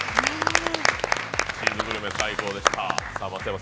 チーズグルメ最高でした。